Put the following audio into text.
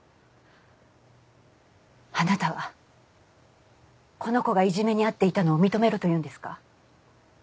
あなたはこの子がいじめに遭っていたのを認めろと言うんですか？